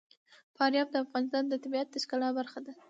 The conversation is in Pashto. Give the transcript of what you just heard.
فاریاب د افغانستان د طبیعت د ښکلا برخه ده.